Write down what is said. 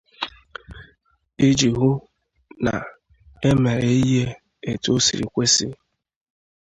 iji hụ na e mere ihe etu o siri kwesi